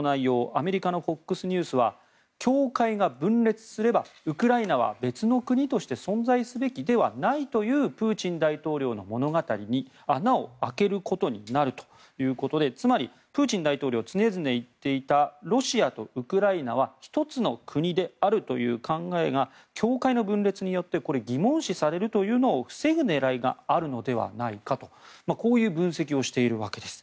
アメリカのＦＯＸニュースは教会が分裂すればウクライナは別の国として存在すべきではないというプーチン大統領の物語に穴を開けることになるということでつまり、プーチン大統領が常々言っていたロシアとウクライナは一つの国であるという考えが教会の分裂によって疑問視されるというのを防ぐ狙いがあるのではないかとこういう分析をしているわけです。